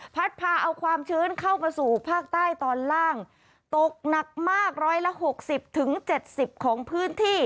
พัดพาเอาความชื้นเข้ามาสู่ภาคใต้ตอนล่างตกหนักมาก๑๖๐๗๐ของพื้นที่